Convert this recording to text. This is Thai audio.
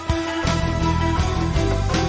ก็ไม่น่าจะดังกึ่งนะ